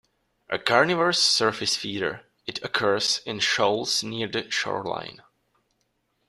A carnivorous surface feeder, it occurs in shoals near the shoreline.